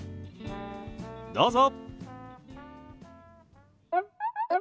どうぞ。